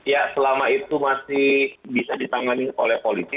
ya selama itu masih bisa ditangani oleh polisi